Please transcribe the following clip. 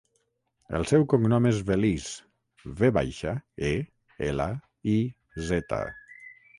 El seu cognom és Veliz: ve baixa, e, ela, i, zeta.